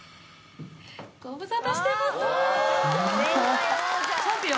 ご無沙汰してます。